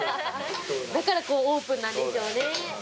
だからオープンなんでしょうね。